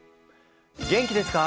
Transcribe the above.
「元気ですか？